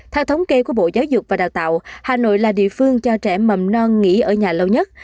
theo thống kê của bộ giáo dục và đào tạo hà nội là địa phương cho trẻ mầm non nghỉ ở nhà lâu nhất